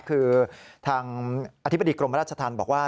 คือทางอธิบดีกรมราชธรรมบอกว่า